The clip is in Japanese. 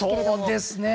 そうですね。